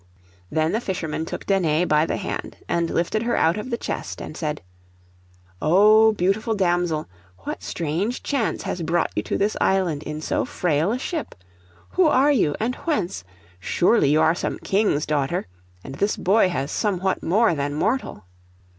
Then the fisherman took Danae by the hand, and lifted her out of the chest, and said— 'O beautiful damsel, what strange chance has brought you to this island in so flail a ship? Who are you, and whence? Surely you are some king's daughter; and this boy has somewhat more than mortal.